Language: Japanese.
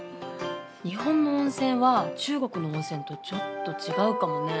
日本の温泉は中国の温泉とちょっと違うかもね。